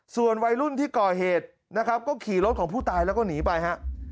ส่วนวัยรุ่นที่ก่อเหตุนะครับก็ขี่รถของผู้ตายแล้วก็หนีไปฮะ